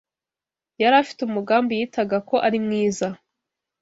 yari afite umugambi yitaga ko ari mwiza,